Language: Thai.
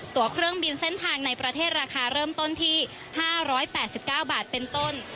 ตัวเครื่องบินเส้นทางในประเทศราคาเริ่มต้นที่๕๘๙บาทเป็นต้น